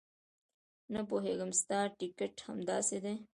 نه پوهېږم ستا ټیکټ همداسې دی.